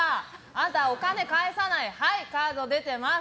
あなた、お金返さないはい、カード出てます。